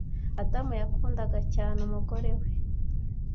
adamu yakundaga cyane umugore we